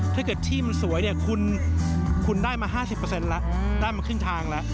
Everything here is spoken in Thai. ถ้าเกิดที่มันสวยเนี่ยคุณได้มา๕๐แล้วได้มาครึ่งทางแล้ว